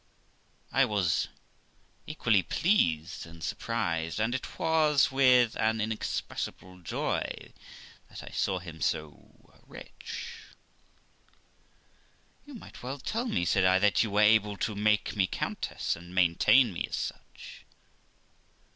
I was equally pleased and surprised, and it was with an inexpressible joy that I saw him so rich. 'You might well tell me', said I, 'that you were able to make me countess, and maintain me as such.'